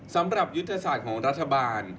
สำหรับยุทธศาสตร์ของรัฐบาล